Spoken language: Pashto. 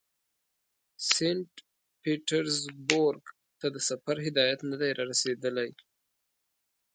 سینټ پیټرزبورګ ته د سفر هدایت نه دی را رسېدلی.